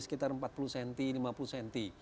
sekitar empat puluh cm lima puluh cm